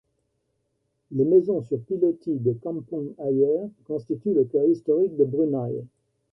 Les maisons sur pilotis de Kampong Ayer constituent le cœur historique du Brunei.